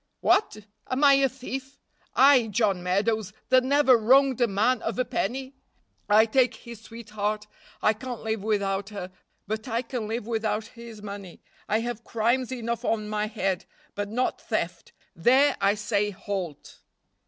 "What! am I a thief? I, John Meadows, that never wronged a man of a penny? I take his sweetheart, I can't live without her; but I can live without his money. I have crimes enough on my head, but not theft, there I say halt."